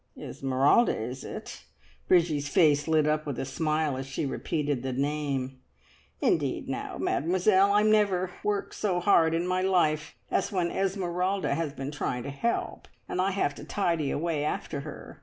"Esmeralda, is it?" Bridgie's face lit up with a smile as she repeated the name. "Indeed now, Mademoiselle, I'm never worked so hard in my life as when Esmeralda has been trying to help, and I have to tidy away after her!